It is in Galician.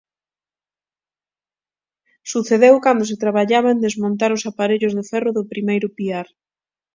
Sucedeu cando se traballaba en desmontar os aparellos de ferro do primeiro piar.